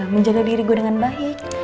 menjaga diri gue dengan baik